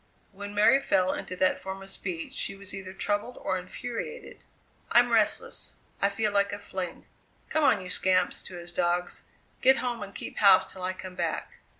When Mary fell into that form of speech she was either troubled or infuriated. "I'm restless; I feel like a fling. Come on, you scamps!" to his dogs, "get home and keep house till I come back."